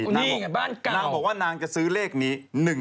นางบอกว่านางจะซื้อเลขนี้๑๙๐